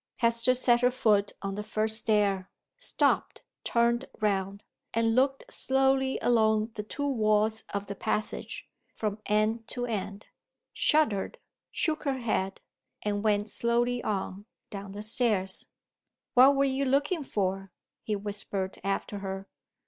Hester set her foot on the first stair stopped turned round and looked slowly along the two walls of the passage, from end to end shuddered shook her head and went slowly on down the stairs. "What were you looking for?" he whispered after her.